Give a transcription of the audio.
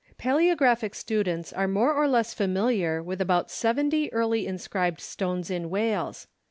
Paleographic students are more or less familiar with about seventy early inscribed stones in Wales.